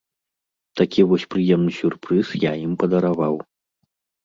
Такі вось прыемны сюрпрыз я ім падараваў.